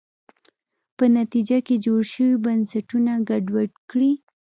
په نتیجه کې جوړ شوي بنسټونه ګډوډ کړي.